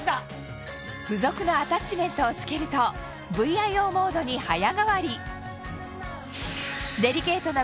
付属のアタッチメントをつけるとＶＩＯモードに早替わり